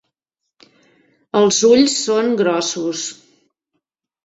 Els ulls són grossos.